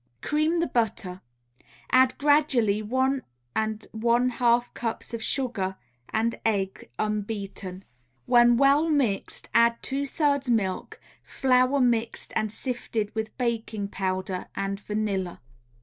Cream the butter, add gradually one and one half cups of sugar, and egg unbeaten; when well mixed, add two thirds milk, flour mixed and sifted with baking powder, and vanilla.